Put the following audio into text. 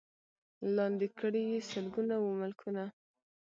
لاندي کړي یې سلګونه وه ملکونه